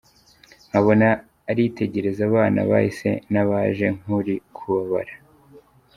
Nkabona aritegereza abana bahise n’abaje nk’uri kubabara.